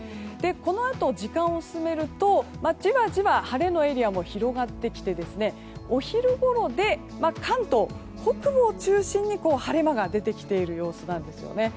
このあと時間を進めるとじわじわ晴れのエリアも広がってきて、お昼ごろで関東は北部を中心に晴れ間が出てきている様子なんですよね。